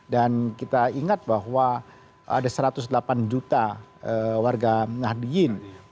dan kita ingat bahwa ada satu ratus delapan juta warga nahdijin